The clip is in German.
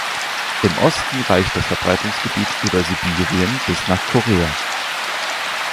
Im Osten reicht das Verbreitungsgebiet über Sibirien bis nach Korea.